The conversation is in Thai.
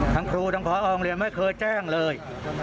ทั้งครูทั้งพระองค์เรียนไม่เคยแจ้งเลย